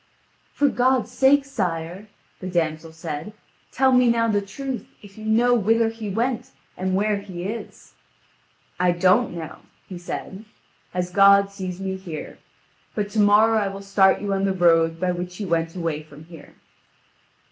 "For God's sake, sire," the damsel said, "tell me now the truth, if you know whither he went, and where he is." "I don't know," he said, "as God sees me here; but to morrow I will start you on the road by which he went away from here."